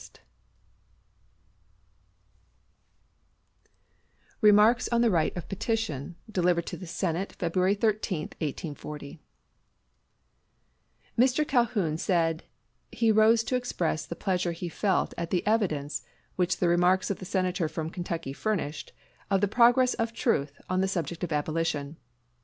Trent] REMARKS ON THE RIGHT OF PETITION Delivered in the Senate, February 13th, 1840 Mr. Calhoun said he rose to express the pleasure he felt at the evidence which the remarks of the Senator from Kentucky furnished, of the progress of truth on the subject of abolition.